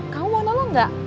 kamu mau tolong gak